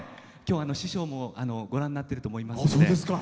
師匠もご覧になっていると思います。